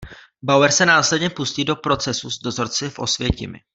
Bauer se následně pustí do procesu s dozorci v Osvětimi.